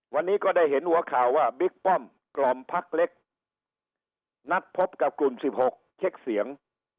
วันนี้ก็ได้เห็นหัวข่าวว่าบิ๊กป้อมกล่อมพักเล็กนัดพบกับกลุ่ม๑๖เช็คเสียง